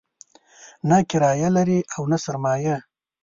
نه کرايه لري او نه سرمایه.